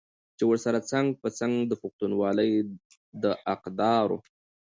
چې ورسره څنګ په څنګ د پښتونولۍ د اقدارو